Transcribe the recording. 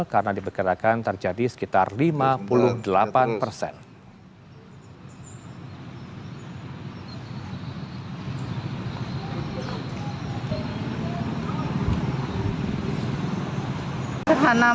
karena diperkirakan terjadi sekitar lima puluh delapan persen